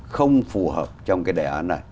không phù hợp trong cái đề án này